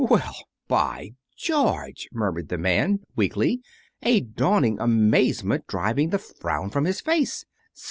"Well, by George!" murmured the man, weakly, a dawning amazement driving the frown from his face.